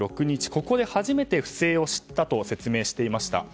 ここで初めて、不正を知ったと説明していました。